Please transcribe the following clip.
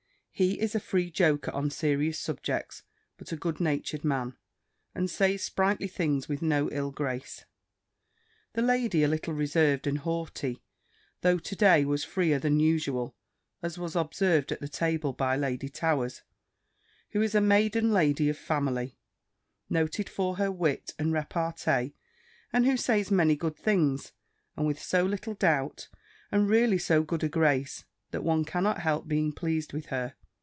He is a free joker on serious subjects, but a good natured man, and says sprightly things with no ill grace: the lady a little reserved, and haughty, though to day was freer than usual; as was observed at table by Lady Towers, who is a maiden lady of family, noted for her wit and repartee, and who says many good things, with so little doubt and really so good a grace, that one cannot help being pleased with her.